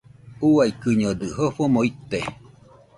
Uaikɨñodɨ jofomo ite.